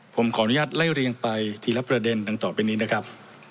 ผมขออนุญาตไล่เรียงไปทีละประเด็นดังต่อไปนี้นะครับ